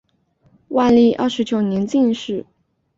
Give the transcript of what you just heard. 万历二十九年进士。